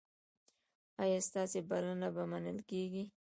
ایا ستاسو بلنه به منل کیږي؟